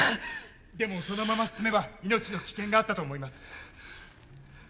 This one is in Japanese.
でもそのまま進めば命の危険があったと思います。